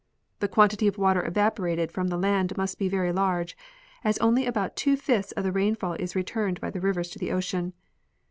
The quantity of water evaporated from the land must be very large, as only about two fifths of the rainfall is returned by the rivers to the ocean.